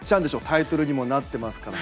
タイトルにもなってますから。